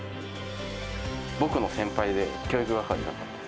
僕の先輩で教育係だったんです。